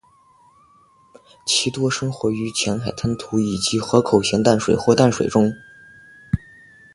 其多生活于浅海滩涂以及河口咸淡水或淡水中。